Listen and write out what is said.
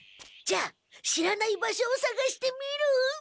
じゃあ知らない場所をさがしてみる？